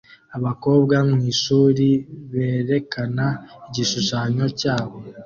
Abakobwa mwishuri berekana igishushanyo cyabo